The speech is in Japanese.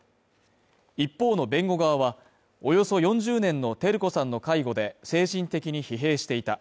一方の弁護側は、およそ４０年の照子さんの介護で精神的に疲弊していた。